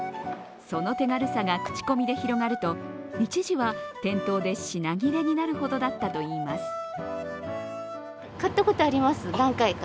その手軽さが口コミで広がると一時は店頭で品切れになるほどだったといいます。